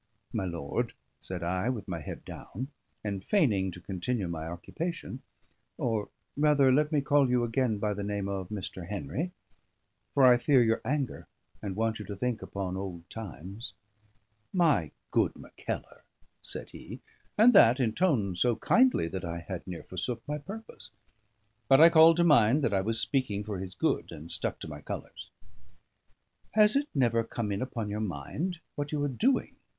"My lord," said I, with my head down, and feigning to continue my occupation "or, rather, let me call you again by the name of Mr. Henry, for I fear your anger, and want you to think upon old times " "My good Mackellar!" said he; and that in tones so kindly that I had near forsook my purpose. But I called to mind that I was speaking for his good, and stuck to my colours. "Has it never come in upon your mind what you are doing?"